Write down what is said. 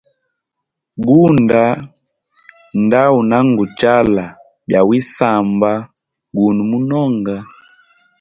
Gunda nda unanguchala bya wisamba guno munonga.